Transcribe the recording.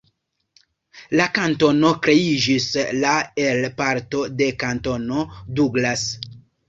La kantono kreiĝis la el parto de Kantono Douglas.